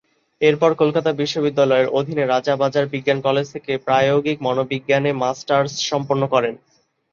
এরপর কলকাতা বিশ্ববিদ্যালয়ের অধীনে রাজাবাজার বিজ্ঞান কলেজ থেকে প্রায়োগিক মনোবিজ্ঞানে মাস্টার্স সমাপ্ত করেন।